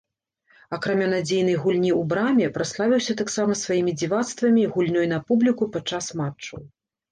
Акрамя надзейнай гульні ў браме, праславіўся таксама сваімі дзівацтвамі, гульнёй на публіку падчас матчаў.